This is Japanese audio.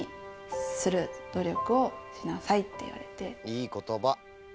いい言葉。